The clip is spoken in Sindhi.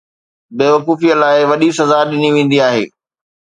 بيوقوفيءَ لاءِ وڏي سزا ڏني ويندي آهي.